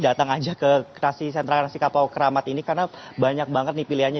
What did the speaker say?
datang saja ke nasi sentral nasi kapau keramat ini karena banyak banget nih pilihannya